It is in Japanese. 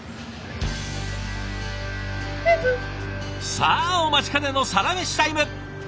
さあお待ちかねのサラメシタイム。